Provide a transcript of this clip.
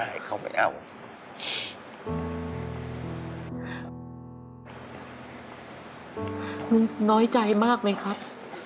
น้อยใจมากไหมครับ